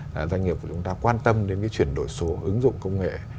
doanh nghiệp của chúng ta quan tâm đến cái chuyển đổi số ứng dụng công nghệ